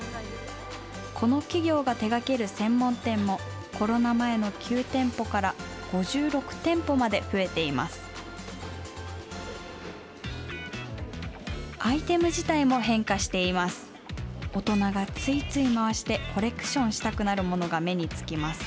この企業が手がける専門店も、コロナ前の９店舗から５６店舗まで増えています。